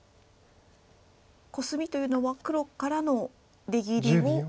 コスミというのは黒からの出切りを。